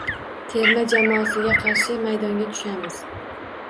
Terma jamoasiga qarshi maydonga tushamiz.